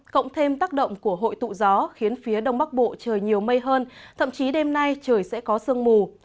cộng thêm tác động của hội tụ gió khiến phía đông bắc bộ trời nhiều mây hơn thậm chí đêm nay trời sẽ có sương mù